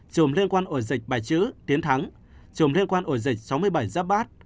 trùng liên quan đến ổ dịch bài chữ tiến thắng trùng liên quan đến ổ dịch sáu mươi bảy giáp bát